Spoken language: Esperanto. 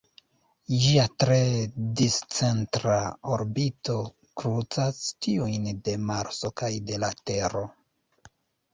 Ĝia tre discentra orbito krucas tiujn de Marso kaj de la Tero.